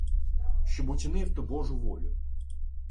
Щоб учинив ти божу волю